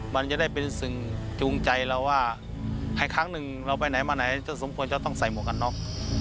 มันจะได้เป็นสิ่งจูงใจเราว่าให้ครั้งหนึ่งเราไปไหนมาไหนจะสมควรจะต้องใส่หมวกกันน็อก